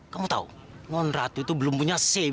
kamu tahu mohon ratu itu belum punya sim